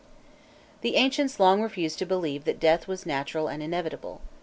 The ancients long refused to believe that death was natural and inevitable.